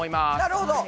なるほど。